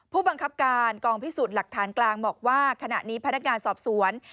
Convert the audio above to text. ผู้บังคับการกองพิสูจน์หลักฐานกลางบอกว่าขณะนี้พนักงานสอบสวน